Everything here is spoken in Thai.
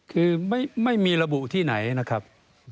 คือไม่มีระบุที่ไหนนะครับ